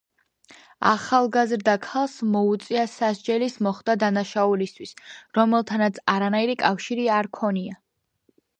ახალგაზრდა ქალს მოუწია სასჯელის მოხდა დანაშაულისთვის, რომელთანაც არანაირი კავშირი არ ქონია.